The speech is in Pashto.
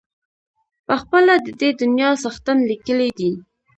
پخپله د دې دنیا څښتن لیکلی دی.